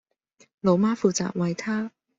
老媽負責餵她